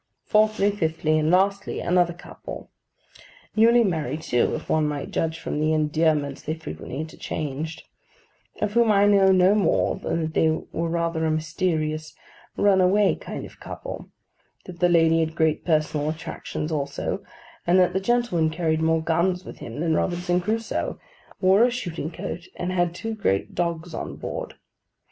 Fourthly, fifthly, and lastly, another couple: newly married too, if one might judge from the endearments they frequently interchanged: of whom I know no more than that they were rather a mysterious, run away kind of couple; that the lady had great personal attractions also; and that the gentleman carried more guns with him than Robinson Crusoe, wore a shooting coat, and had two great dogs on board.